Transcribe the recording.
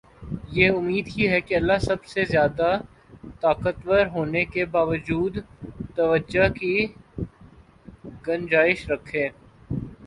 یہ امید ہی ہے کہ اللہ سب سے زیادہ طاقتور ہونے کے باوجود توبہ کی گنجائش رکھے